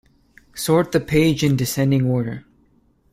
Sort the page in descending order.